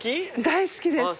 大好きです。